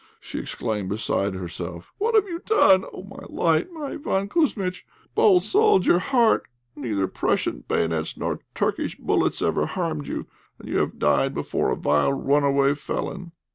she exclaimed, beside herself; "what have you done? Oh, my light, my Iván Kouzmitch! Bold soldier heart, neither Prussian bayonets nor Turkish bullets ever harmed you; and you have died before a vile runaway felon."